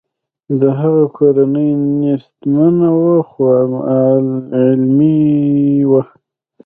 د هغه کورنۍ نیستمنه وه خو علمي وه